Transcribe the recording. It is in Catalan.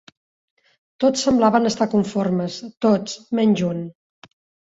Tots semblaven estar conformes, tots, menys un.